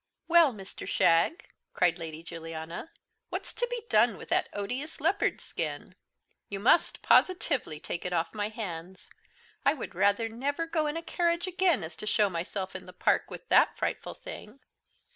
"Well, Mr. Shagg," cried Lady Juliana, "what's to be done with that odious leopard's skin? You must positively take it off my hands. I would rather never go in a carriage again as show myself in the Park with that frightful thing."